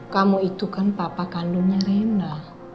kamu itu kan papa kandungnya rena